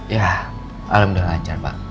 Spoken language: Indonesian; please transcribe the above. ya alhamdulillah ancar pak